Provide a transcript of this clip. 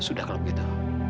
mas sudah kalau begitu